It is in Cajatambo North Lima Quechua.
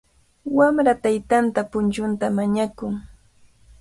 Wamra taytanta punchuta mañakun.